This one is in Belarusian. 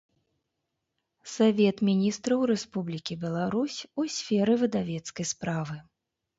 Савет Мiнiстраў Рэспублiкi Беларусь у сферы выдавецкай справы.